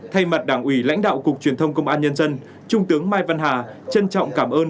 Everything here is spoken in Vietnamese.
thay mặt đảng ủy lãnh đạo cục truyền thông công an nhân dân trung tướng mai văn hà trân trọng cảm ơn